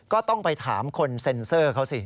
ก็ต้องไปถามคนเซ็นเซอร์เขาสิ